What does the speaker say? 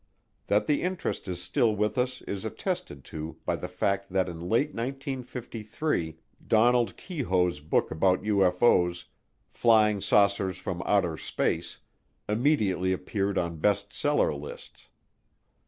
That the interest is still with us is attested to by the fact that in late 1953 Donald Keyhoe's book about UFO's, Flying Saucers from Outer Space, immediately appeared on best seller lists.